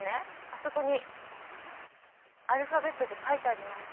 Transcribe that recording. あそこにアルファベットで書いてあります。